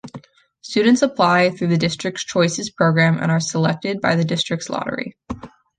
Students apply through the District's "Choices" program and are selected by the district's lottery.